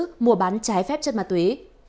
tăng vật thu giữ mua bán trái phép chất mặt túy